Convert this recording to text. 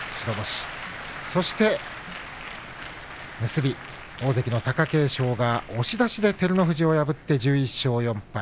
結び、大関の貴景勝が押し出しで照ノ富士を破って１１勝４敗。